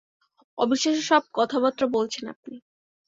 অবিশ্বাস্য সব কথাবার্তা বলছেন আপনি!